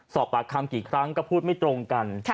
สอบปากคำกี่ครั้งก็พูดไม่ตรงกัน